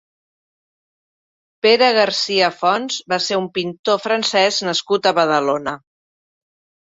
Pere Garcia-Fons va ser un pintor francès nascut a Badalona.